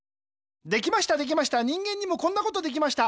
できましたできました人間にもこんなことできました。